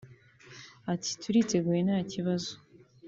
ati “Turiteguye nta kibazo